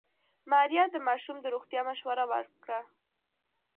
ماريا د ماشوم د روغتيا مشوره ورکړه.